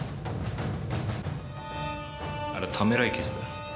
あれはためらい傷だ。